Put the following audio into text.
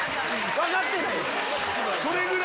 分かってない。